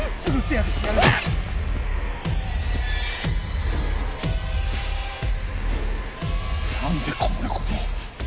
何でこんなことを。